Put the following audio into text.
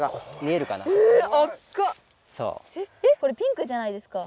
えこれピンクじゃないですか？